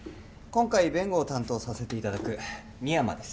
今回弁護を担当させていただく深山です